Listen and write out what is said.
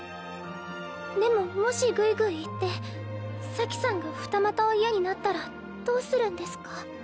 でももしグイグイいって咲さんが二股を嫌になったらどうするんですか？